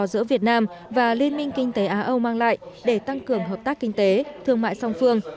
giữa việt nam và liên minh kinh tế á âu mang lại để tăng cường hợp tác kinh tế thương mại song phương